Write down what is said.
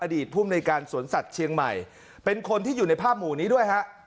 ภูมิในการสวนสัตว์เชียงใหม่เป็นคนที่อยู่ในภาพหมู่นี้ด้วยฮะ